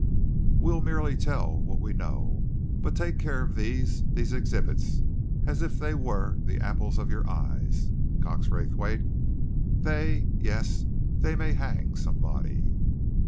We'll merely tell what we know. But take care of these these exhibits, as if they were the apples of your eyes, Cox Raythwaite. They yes, they may hang somebody!"